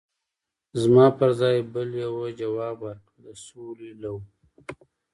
زما پر ځای بل یوه ځواب ورکړ: د سولې لوا.